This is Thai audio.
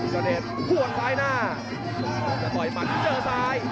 เจ้าเดชน์พ่วนซ้ายหน้าจะปล่อยมันเจ้าซ้าย